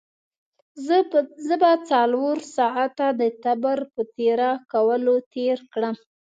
زه به څلور ساعته د تبر په تېره کولو تېر کړم.